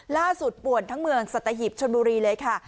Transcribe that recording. ล่าสุดป่วนทั้งเมืองสัตหิบชนบุรีเลยค่ะ